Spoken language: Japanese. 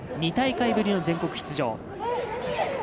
２大会ぶりの全国出場。